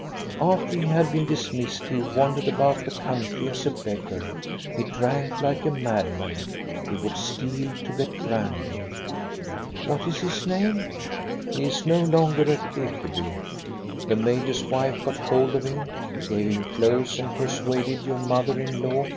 "" After he had been dismissed he wandered about the country as a beggar. He drank like a madman. He would steal to get brandy. " "What is his name.? " "He is no longer at Ekeby. The major's wife got hold of him, gave him clothes, and persuaded your mother in law.